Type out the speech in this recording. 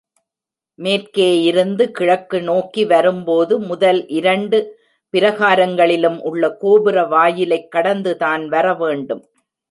மேற்கேயிருந்து கிழக்கு நோக்கி வரும்போது முதல் இரண்டு பிராகாரங்களிலும் உள்ள கோபுர வாயிலைக் கடந்துதான் வரவேண்டும்.